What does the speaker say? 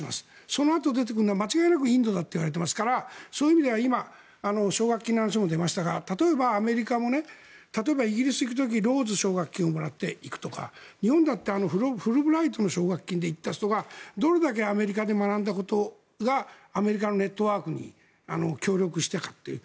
そのあと出てくるのは間違いなくインドだといわれていますからそういう意味では奨学金の話も出ましたが例えばアメリカもイギリスに行く時にローズ奨学金をもらって行くとか日本だってフルブライトの奨学金で行った人がどれだけアメリカで学んだことがアメリカのネットワークに協力したかという。